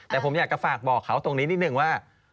แต่ผมอยากจะฝากบอกเขาตรงนี้นิดนึงว่า